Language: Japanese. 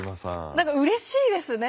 何かうれしいですね。